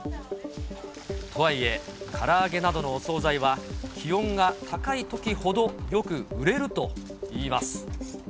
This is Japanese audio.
とはいえ、から揚げなどのお総菜は、気温が高いときほどよく売れるといいます。